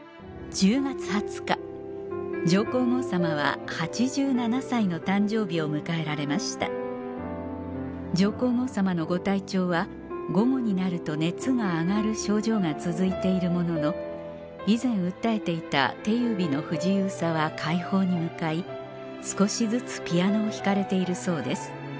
１０月２０日上皇后さまは８７歳の誕生日を迎えられました上皇后さまのご体調は午後になると熱が上がる症状が続いているものの以前訴えていた手指の不自由さは快方に向かい少しずつピアノを弾かれているそうです